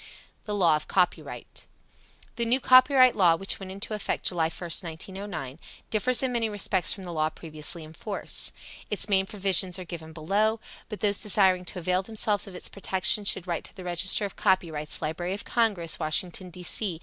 THE LAW OF COPYRIGHT. The new copyright law, which went into effect July 1, 1909, differs in many respects from the law previously in force. Its main provisions are given below, but those desiring to avail themselves of its protection should write to the Register of Copyrights, Library of Congress, Washington, D. C.